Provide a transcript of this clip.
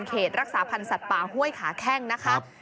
เขตรักษาพันธ์สัตว์ป่าห้วยขาแข้งนะคะ